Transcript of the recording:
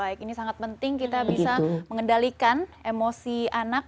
baik ini sangat penting kita bisa mengendalikan emosi anak